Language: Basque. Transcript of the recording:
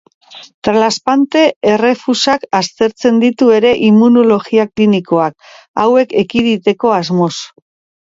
Transplante-errefusak aztertzen ditu ere immunologia klinikoak, hauek ekiditeko asmoz.